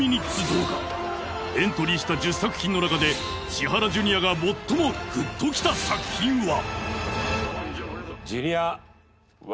動画エントリーした１０作品の中で千原ジュニアが最もグッときた作品は？